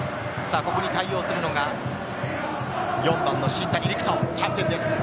ここに対応するのが、４番の新谷陸斗、キャプテンです。